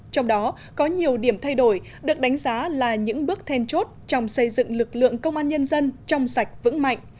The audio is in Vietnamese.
trong đó có nhiều điểm thay đổi được đánh giá là những bước then chốt trong xây dựng lực lượng công an nhân dân trong sạch vững mạnh